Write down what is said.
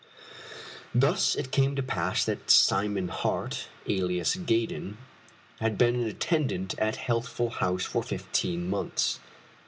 Thus it came to pass that Simon Hart, alias Gaydon, had been an attendant at Healthful House for fifteen months.